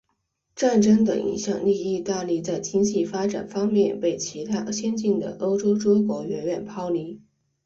战争的影响令意大利在经济发展方面被其他先进的欧洲诸国远远抛离。